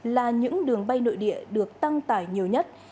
là những đường bay nội địa được tăng tải nhiều nhất